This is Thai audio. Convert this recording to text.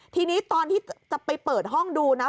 ทีนี้ตอนที่จะไปเปิดห้องดูนะ